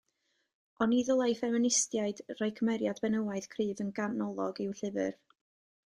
Oni ddylai ffeministiaid roi cymeriad benywaidd cryf yn ganolog i'w llyfr?